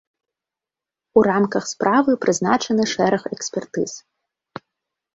У рамках справы прызначаны шэраг экспертыз.